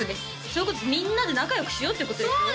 そういうことみんなで仲良くしようってことですよ